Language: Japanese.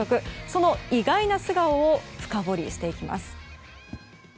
その意外な素顔を深掘りしていきます。